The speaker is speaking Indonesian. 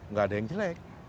nggak ada yang jelek